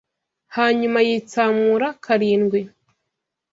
hanyuma yitsamura karindwi.